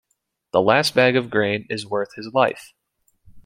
The last bag of grain is worth his life.